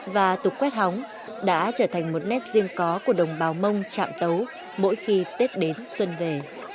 và tục quét hóng đã trở thành một nét riêng có của đồng bào mông trạm tấu mỗi khi tết đến xuân về